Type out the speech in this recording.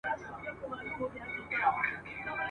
او د هري ښایستې کلمې د کارولو لپاره ځای لري !.